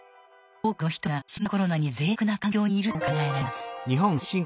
多くの人が新型コロナにぜい弱な環境にいると考えられます。